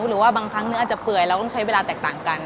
หรือว่าบางครั้งเนื้ออาจจะเปื่อยเราต้องใช้เวลาแตกต่างกัน